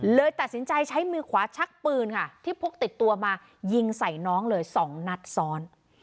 เลยตัดสินใจใช้มือขวาชักปืนค่ะที่พกติดตัวมายิงใส่น้องเลย๒นัดซ้อน